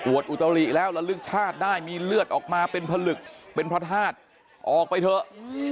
อุตริแล้วระลึกชาติได้มีเลือดออกมาเป็นผลึกเป็นพระธาตุออกไปเถอะ